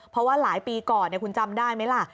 เพราะว่าหลายปีก่อนคุณจำได้ไหมล่ะ